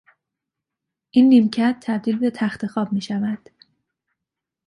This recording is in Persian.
این نیمکت تبدیل به تختخواب میشود.